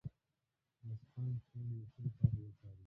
د اسفناج پاڼې د څه لپاره وکاروم؟